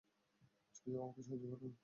কেউ আমাকে সাহায্য করুন!